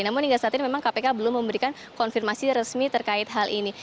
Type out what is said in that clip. namun hingga saat ini memang kpk belum memberikan konfirmasi resmi terkait hal ini